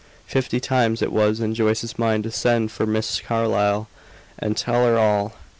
Fifty times it was in Joyce's mind to send for Miss Carlyle and tell her all.